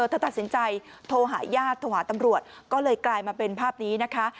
เธอตัดสินใจโทรหาญาติโทรหาตำรวจก็เลยกลายมาเป็นภาพนี้นะคะ